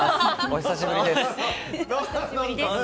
お久しぶりです。